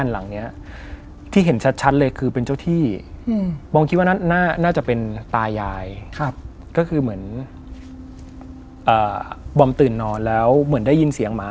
น่าจะตอบโจทย์ตัวเองได้